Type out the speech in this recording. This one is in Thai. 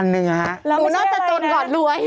หนูน่าจะจนก่อนรวย